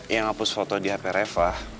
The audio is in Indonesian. yang aku foto di hp reva